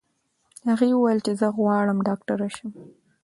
هغې وویل چې زه غواړم ډاکټره شم.